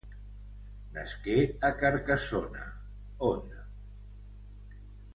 Nasqué a Carcassona, Aude.